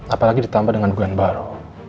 apalagi ditambah dengan bulan baru